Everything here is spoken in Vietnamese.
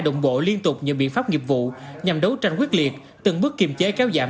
đồng bộ liên tục những biện pháp nghiệp vụ nhằm đấu tranh quyết liệt từng bước kiềm chế kéo giảm